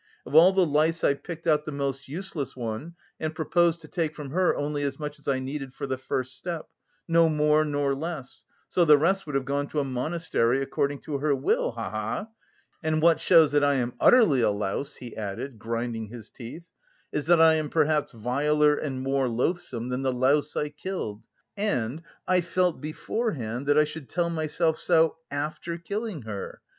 Of all the lice I picked out the most useless one and proposed to take from her only as much as I needed for the first step, no more nor less (so the rest would have gone to a monastery, according to her will, ha ha!). And what shows that I am utterly a louse," he added, grinding his teeth, "is that I am perhaps viler and more loathsome than the louse I killed, and I felt beforehand that I should tell myself so after killing her.